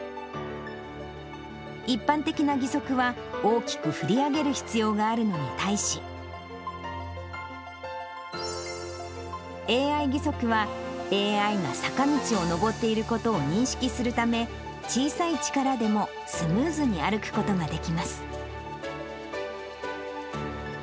一般的な義足は、大きく振り上げる必要があるのに対し、ＡＩ義足は、ＡＩが坂道を上っていることを認識するため、小さい力でもスムーズに歩くことができます。